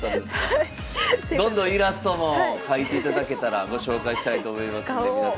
どんどんイラストも描いていただけたらご紹介したいと思いますんでガオー。